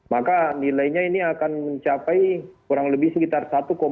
maka nilainya ini akan mencapai kurang lebih sekitar satu lima